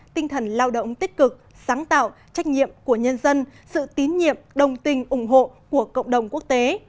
tinh thần lao động tích cực sáng tạo trách nhiệm của nhân dân sự tín nhiệm đồng tình ủng hộ của cộng đồng quốc tế